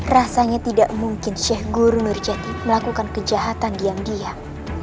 rasanya tidak mungkin sheikh guru nurjati melakukan kejahatan diam diam